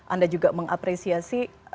anda juga mengapresiasi